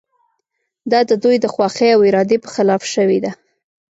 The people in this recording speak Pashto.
دا د دوی د خوښې او ارادې په خلاف شوې ده.